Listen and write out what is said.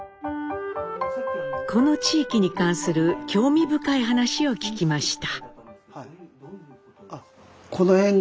この地域に関する興味深い話を聞きました。